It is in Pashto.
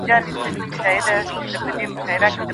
هغه زده کونکی چي ژوندپوهنه لولي، له طبیعت سره مینه لري.